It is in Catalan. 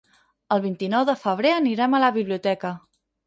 El vint-i-nou de febrer anirem a la biblioteca.